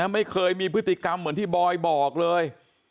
ไม่เคยมีพฤติกรรมเหมือนที่บอยบอกเลย